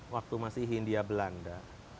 waktu masih hindia belanda